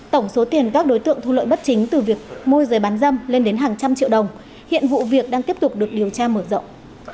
tổng số tiền các đối tượng thu lợi bất chính từ việc môi giới bán dâm lên đến hàng trăm triệu đồng